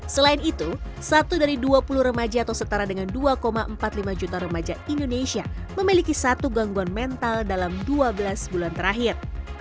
selain itu satu dari dua puluh remaja atau setara dengan dua empat puluh lima juta remaja indonesia memiliki satu gangguan mental dalam dua belas bulan terakhir